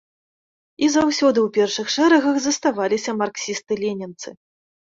І заўсёды ў першых шэрагах заставаліся марксісты-ленінцы.